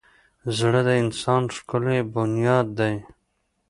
زړه د انسان ښکلی بنیاد دی.